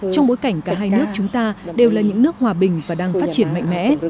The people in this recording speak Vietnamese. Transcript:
trong bối cảnh cả hai nước chúng ta đều là những nước hòa bình và đang phát triển mạnh mẽ